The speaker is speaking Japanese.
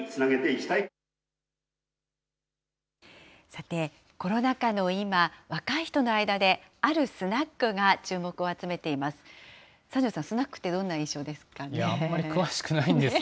さて、コロナ禍の今、若い人の間で、あるスナックが注目を集めています。